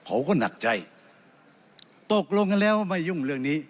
เขาก็หนักใจตกลงกันแล้วไม่ยุ่งเรื่องนี้